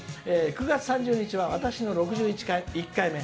「９月３０日は私の６１回目。